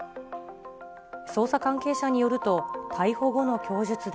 捜査関係者によると、逮捕後の供述で。